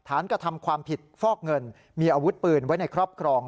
กระทำความผิดฟอกเงินมีอาวุธปืนไว้ในครอบครอง